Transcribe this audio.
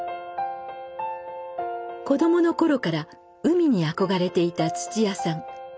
子どもの頃から海に憧れていた土屋さん。